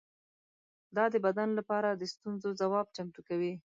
دا د بدن لپاره د ستونزو ځواب چمتو کوي.